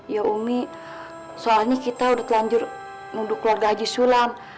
ya umi soalnya kita udah telanjur nunduk keluarga haji sulan